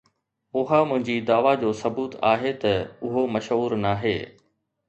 اها منهنجي دعويٰ جو ثبوت آهي ته اهو مشهور ناهي